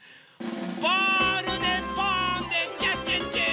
ボールでポーンでキャッチッチ！